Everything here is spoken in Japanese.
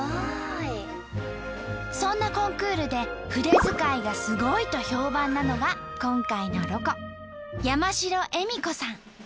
そんなコンクールで筆づかいがすごいと評判なのが今回のロコ山城恵美子さん。